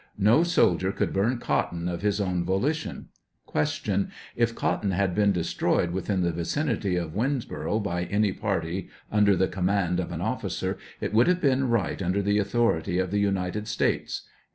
No soldier could burn cotton of his own volition, Q. If cotton had been destroyed within the vicinity of Winnboro' by any party under the command of an oflScer, it would have been right under the authority of the United States